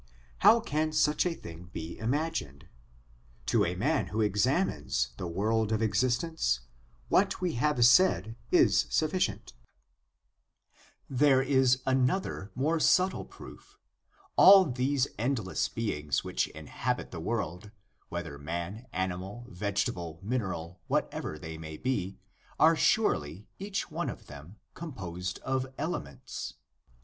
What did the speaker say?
How can such a thing be imagined ? To a man who examines the world of existence, what we have said is sufficient. POWERS AND CONDITIONS OF MAN 207 There is another more subtle proof: all these endless beings which inhabit the world, whether man, animal, vegetable, mineral whatever they may be are surely, each one of them, composed of elements.